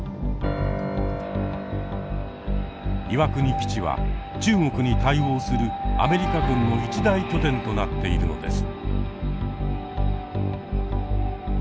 岩国基地は中国に対応するアメリカ軍の一大拠点となっているのです。